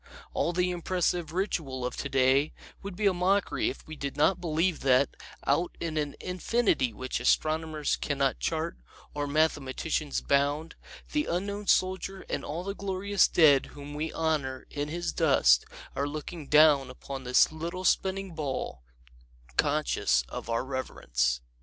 All the impressive ritual of today would be a mockery if we did not believe that, out in an infinity which astronomers can not chart or mathematicians bound, the Unknown Soldier and all the glorious dead whom we honor in his dust are looking down upon this little spinning ball, conscious of our reverence.